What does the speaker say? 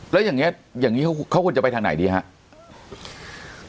แล้วอย่างนี้เขาควรจะไปทางไหนดีครับ